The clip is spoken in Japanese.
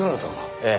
ええ。